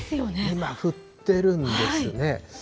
今降っているんですね。